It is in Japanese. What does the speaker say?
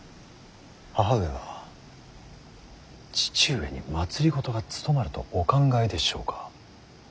義母上は父上に政が務まるとお考えでしょうか。